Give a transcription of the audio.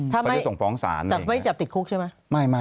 จะส่งฟ้องศาลเลยถ้าไม่แต่ไม่จับติดคลุกใช่ไหม